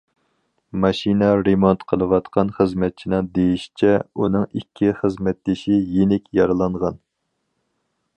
ماشىنا رېمونت قىلىۋاتقان خىزمەتچىنىڭ دېيىشىچە، ئۇنىڭ ئىككى خىزمەتدىشى يېنىك يارىلانغان.